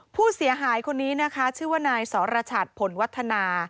ผู้เสียหายคนนี้นะคะชื่อว่านายสรชัดผลวัฒนา